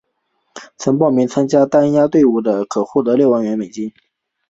若报名参加单位所押注的队伍获胜即可获得六万元奖金。